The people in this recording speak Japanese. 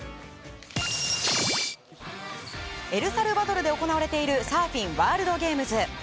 エルサルバドルで行われているサーフィンワールドゲームズ。